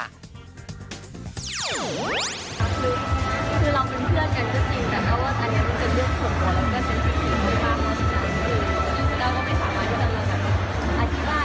เป็นห่วงมากกว่า